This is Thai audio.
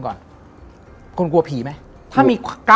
ก็แปลก